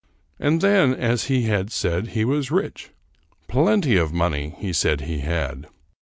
And then, as he had said, he was rich. " Plenty of money," he said he had.